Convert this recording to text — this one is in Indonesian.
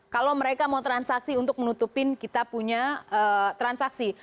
kalau mereka mau transaksi untuk menutupin kita punya transaksi